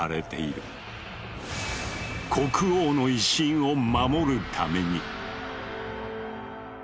国王の威信を守るために。